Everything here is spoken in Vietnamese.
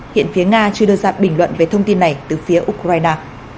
hiện phía nga chưa đưa ra bình luận về thông tin này từ phía ukraine